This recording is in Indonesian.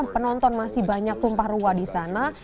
penonton masih banyak tumpah ruah di sana